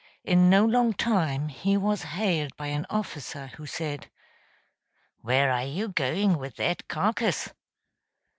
In no long time he was hailed by an officer, who said: "Where are you going with that carcass?"